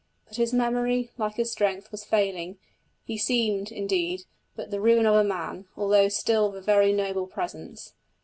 But his memory, like his strength, was failing; he seemed, indeed, but the ruin of a man, although still of a very noble presence.